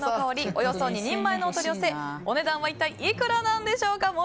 およそ２人前のお取り寄せお値段は一体いくらでしょうか。